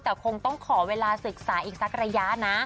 แต่คงต้องขอเวลาศึกษาอีกสักระยะนะ